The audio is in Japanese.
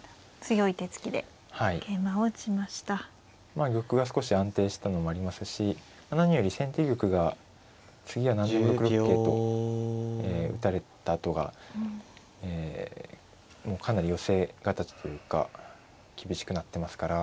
まあ玉が少し安定したのもありますし何より先手玉が次は何でも６六桂と打たれたあとがもうかなり寄せ形というか厳しくなってますから。